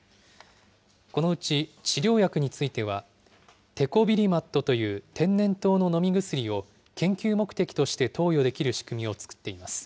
このうち治療薬については、テコビリマットという天然痘の飲み薬を研究目的として投与できる仕組みを作っています。